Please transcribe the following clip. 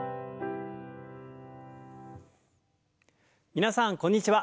皆さんこんにちは。